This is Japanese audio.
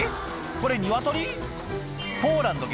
これニワトリ？